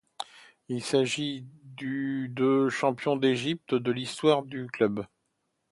Il s'agit du de champion d'Égypte de l'histoire du club.